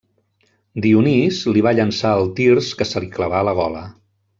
Dionís li va llançar el tirs que se li clavà a la gola.